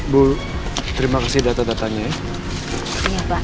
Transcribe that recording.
bu terima kasih data datanya ya